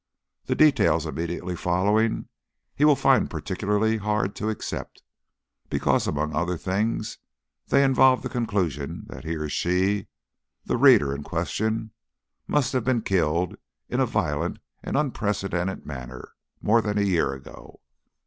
The details immediately following he will find particularly hard to accept, because among other things they involve the conclusion that he or she, the reader in question, must have been killed in a violent and unprecedented manner more than a year ago.